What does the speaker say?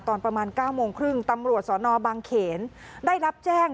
ตอนประมาณ๙โมงครึ่งตำรวจสนบางเขนได้รับแจ้ง